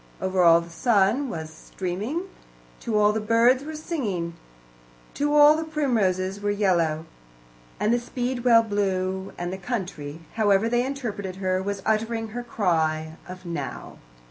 Over all the sun was streaming, to all the birds were singing, to all the primroses were yellow, and the speedwell blue, and the country, however they interpreted her, was uttering her cry of "now."